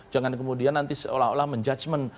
jangan kemudian nanti seolah olah menjudgement